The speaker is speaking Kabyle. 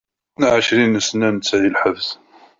Ɛecrin-sna netta di lḥebs.